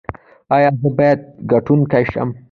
ایا زه باید ګټونکی شم؟